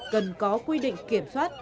cần có quy định kiểm soát